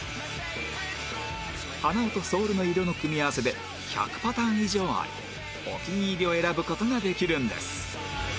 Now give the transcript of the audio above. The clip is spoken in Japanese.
鼻緒とソールの色の組み合わせで１００パターン以上ありお気に入りを選ぶ事ができるんです